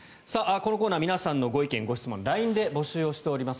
このコーナー皆さんのご意見・ご質問をＬＩＮＥで募集をしております。